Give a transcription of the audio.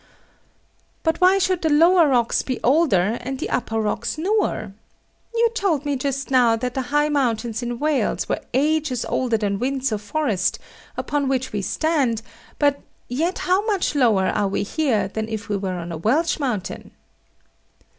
But why should the lower rocks be older and the upper rocks newer? You told me just now that the high mountains in Wales were ages older than Windsor Forest, upon which we stand: but yet how much lower we are here than if we were on a Welsh mountain.